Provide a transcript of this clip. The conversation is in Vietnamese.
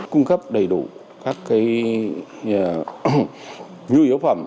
cung cấp đầy đủ các cái vui yếu phẩm